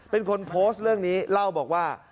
เป็นคนโพสต์เรื่องนี้เล่าบอกว่า